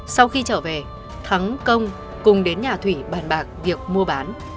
sau khi trở về thắng công cùng đến nhà thủy bàn bạc việc mua bán